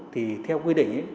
thì theo quy định